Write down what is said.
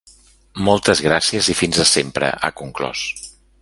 Moltes gràcies i fins a sempre, ha conclòs.